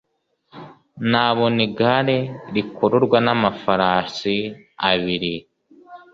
Nabona igare rikururwa n’amafarasi abiri,